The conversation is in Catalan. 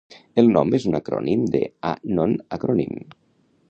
El nom és un acrònim de "A Non Acronym".